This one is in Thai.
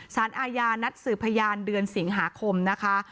สารอาญานัดสืบพยานเดือนสิงหาคมนะคะ